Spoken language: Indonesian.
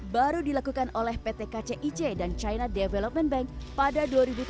baru dilakukan oleh pt kcic dan china development bank pada dua ribu tujuh belas